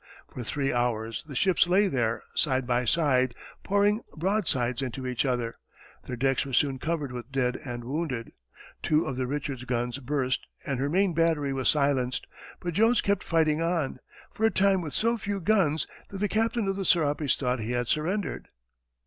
For three hours the ships lay there, side by side, pouring broadsides into each other; their decks were soon covered with dead and wounded; two of the Richard's guns burst and her main battery was silenced, but Jones kept fighting on, for a time with so few guns that the captain of the Serapis thought he had surrendered.